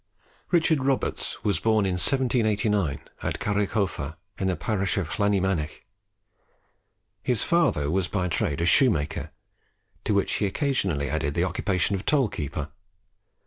Richard Roberts was born in 1789, at Carreghova in the parish of Llanymynech. His father was by trade a shoemaker, to which he occasionally added the occupation of toll keeper.